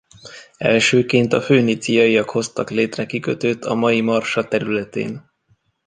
Elsőként a föníciaiak hoztak létre kikötőt a mai Marsa területén.